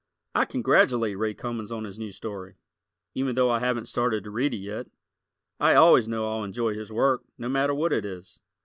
I congratulate Ray Cummings on his new story, even though I haven't started to read it yet. I always know I'll enjoy his work, no matter what it is.